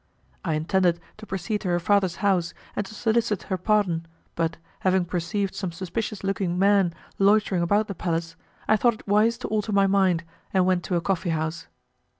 I intended to proceed to her father's house, and to solicit her pardon, but, having perceived some suspicious looking men loitering about the palace, I thought it wise to alter my mind, and went to a coffeehouse.